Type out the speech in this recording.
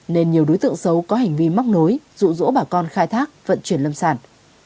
nên nhiều đối tượng xấu có hành vi móc nối dụ dỗ bà con khai thác vận chuyển lâm sản